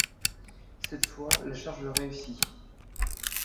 Cette fois la charge réussit.